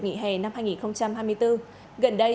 nghỉ hè năm hai nghìn hai mươi bốn gần đây